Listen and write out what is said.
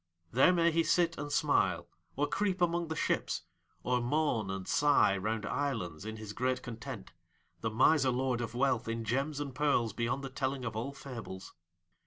There may he sit and smile, or creep among the ships, or moan and sigh round islands in his great content the miser lord of wealth in gems and pearls beyond the telling of all fables.